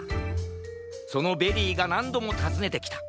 そのベリーがなんどもたずねてきた。